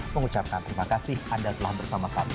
mengucapkan terima kasih anda telah bersama kami